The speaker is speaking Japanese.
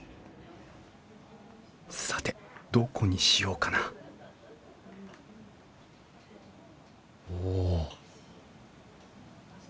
さてどこにしようかなおお。